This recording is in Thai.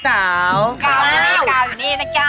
เก้าอยู่นี่